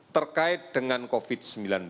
terkait dengan covid sembilan belas